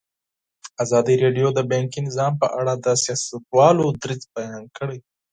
ازادي راډیو د بانکي نظام په اړه د سیاستوالو دریځ بیان کړی.